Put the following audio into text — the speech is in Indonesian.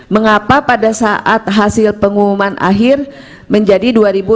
mengapa pada saat hasil pengumuman akhir menjadi dua enam ratus tiga belas